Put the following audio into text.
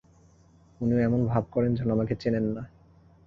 উনিও এমন ভাব করেন যেন আমাকে চেনেন না।